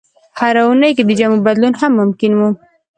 هره اونۍ کې د جامو بدلول هم ممکن وو.